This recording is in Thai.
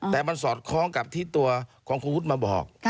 แต่มันสอดคล้องกับที่ตัวของคุณวุฒิมาบอก